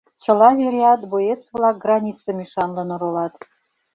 Чыла вереат боец-влак границым ӱшанлын оролат.